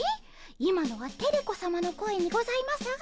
今のはテレ子さまの声にございますが。